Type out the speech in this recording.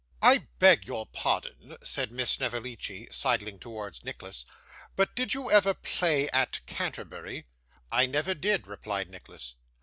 'I beg your pardon,' said Miss Snevellicci, sidling towards Nicholas, 'but did you ever play at Canterbury?' 'I never did,' replied Nicholas.